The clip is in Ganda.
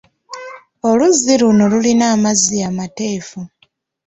Oluzzi luno lulina amazzi amateefu.